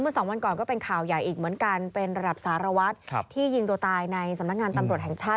สองวันก่อนก็เป็นข่าวใหญ่อีกเหมือนกันเป็นระดับสารวัตรที่ยิงตัวตายในสำนักงานตำรวจแห่งชาติ